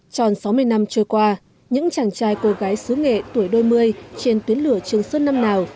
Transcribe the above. tròn sáu mươi năm trôi qua những chàng trai cô gái xứ nghệ tuổi đôi mươi trên tuyến lửa trường sơn năm nào